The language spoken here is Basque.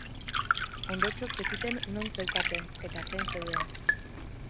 Ondotxo zekiten non zeukaten, eta zain zeuden.